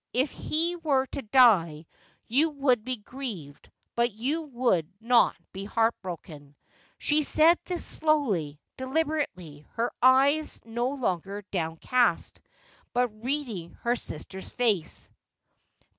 If he were to die you would be grieved, but you would not be heartbroken.' She said this slowly, deliberately, her eyes no longer downcast, but reading her sister's face.